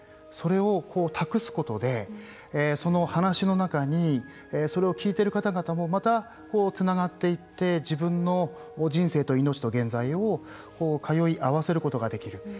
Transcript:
それを託すことでその話の中にそれを聞いている方々もまた、こうつながっていって自分の人生と命と現在を通い合わせることができる。